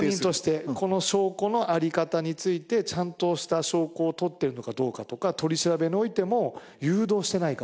この証拠の在り方についてちゃんとした証拠を取ってるのかどうかとか取り調べにおいても誘導してないかとか。